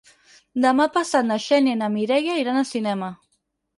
Demà passat na Xènia i na Mireia iran al cinema.